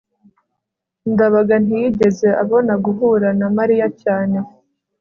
ndabaga ntiyigeze abona guhura na mariya cyane